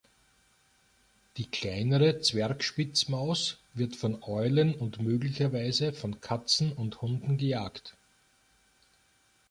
Die Kleinere Zwergspitzmaus wird von Eulen und möglicherweise von Katzen und Hunden gejagt.